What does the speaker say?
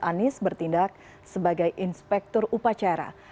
anies bertindak sebagai inspektur upacara